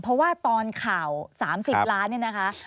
เพราะว่าตอนข่าว๓๐ล้านเนี่ยนะคะ